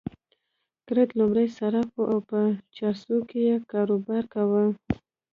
کرت لومړی صراف وو او په چارسو کې يې کاروبار کاوه.